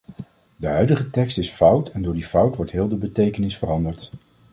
De huidige tekst is fout en door die fout wordt heel de betekenis veranderd.